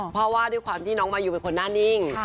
เพราะว่าด้วยความที่น้องมายูเป็นคนหน้านิ่ง